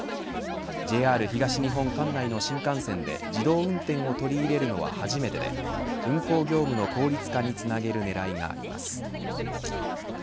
ＪＲ東日本管内の新幹線で自動運転を取り入れるのは初めてで運行業務の効率化につなげる狙いがあります。